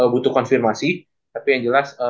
butuh konfirmasi tapi yang jelas